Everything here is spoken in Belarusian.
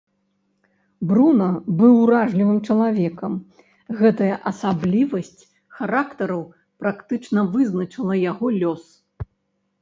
Бруна быў уражлівым чалавекам, гэтая асаблівасць характару практычна вызначыла яго лёс.